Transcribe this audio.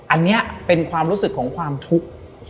อันนี้เป็นความรู้สึกของความทุกข์